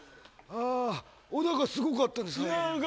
小高、すごかったですね。